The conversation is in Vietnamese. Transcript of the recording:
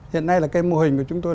hiện nay là cây mô hình của chúng tôi